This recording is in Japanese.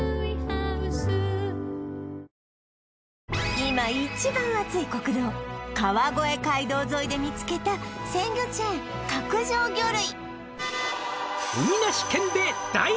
今日本で一番アツい国道川越街道沿いで見つけた鮮魚チェーン角上魚類